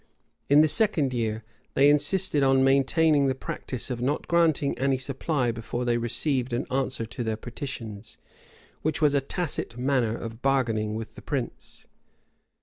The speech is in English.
[*] In the second year, they insisted on maintaining the practice of not granting any supply before they received an answer to their petitions, which was a tacit manner of bargaining with the prince.